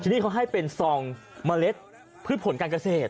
ที่เขาให้เป็นซองเมล็ดพืชผลการเกษตร